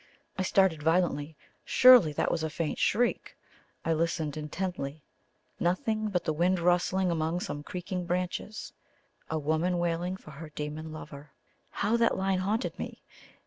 I started violently. Surely that was a faint shriek? I listened intently. Nothing but the wind rustling among some creaking branches. "A woman wailing for her demon lover." How that line haunted me!